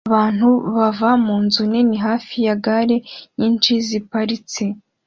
Abantu bava munzu nini hafi ya gare nyinshi ziparitse